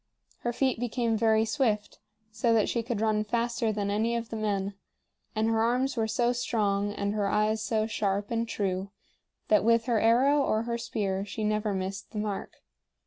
Her feet became very swift, so that she could run faster than any of the men; and her arms were so strong and her eyes so sharp and true that with her arrow or her spear she never missed the mark.